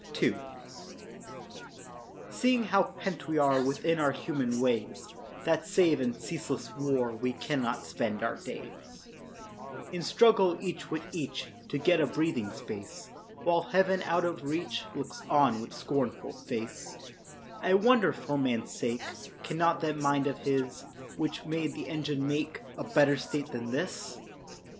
II Seeing how pent we are Within our human ways, That save in ceaseless war We cannot spend our days, In struggle each with each To get a breathing space, While Heaven, out of reach, Looks on with scornful face; I wonder, for man's sake, Cannot that mind of his Which made the engine make A better state than this?